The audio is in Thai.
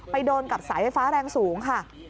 โดนกับสายไฟฟ้าแรงสูงค่ะ